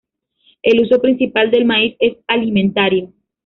El uso principal del maíz es alimentario.